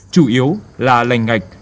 chủ yếu là lành ngạch